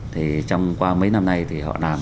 thì trong qua mấy năm nay thì họ làm